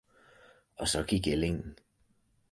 Og så gik ællingen.